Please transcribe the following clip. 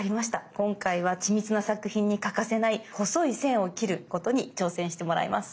今回は緻密な作品に欠かせない細い線を切ることに挑戦してもらいます。